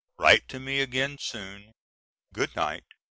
Write to me again soon. Good night.